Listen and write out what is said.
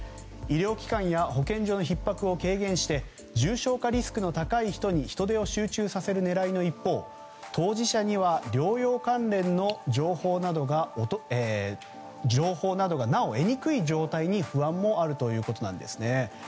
医療機関や保健所のひっ迫を軽減して重症化リスクの高い人に人手を集中させる狙いの一方当事者には療養関連の情報などがなお得にくい状態に不安もあるということなんです。